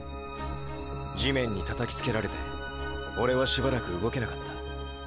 地面にたたきつけられてオレはしばらく動けなかった。